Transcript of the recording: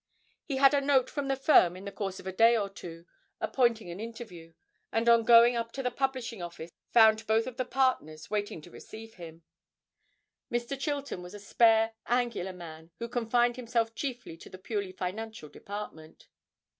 He had a note from the firm in the course of a day or two, appointing an interview, and on going up to the publishing office found both of the partners waiting to receive him. Mr. Chilton was a spare angular man, who confined himself chiefly to the purely financial department.